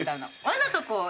わざとこう。